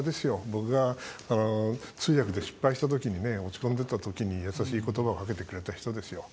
僕が、通訳で失敗したときにね落ち込んでたときに優しいことばをかけてくれた人ですよ。